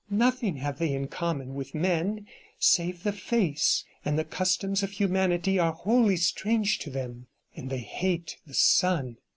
Nothing have they in common with men save the face, and the customs of humanity are wholly strange to them; and they hate the sun.